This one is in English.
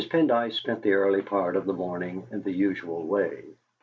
Pendyce spent the early part of the morning in the usual way.